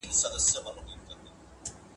زه به سبا ليکنه کوم،